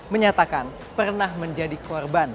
menyatakan pernah menjadi korban